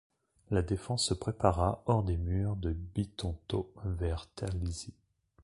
La défense se prépara hors des murs de Bitonto vers Terlizzi.